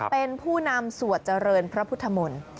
เป็นผู้นำสวดเจริญพระพุทธมนตร์